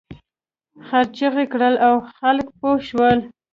خر چیغې کړې او خلک پوه شول.